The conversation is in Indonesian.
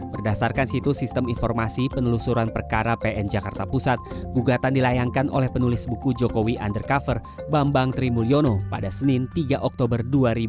berdasarkan situs sistem informasi penelusuran perkara pn jakarta pusat gugatan dilayangkan oleh penulis buku jokowi undercover bambang trimulyono pada senin tiga oktober dua ribu dua puluh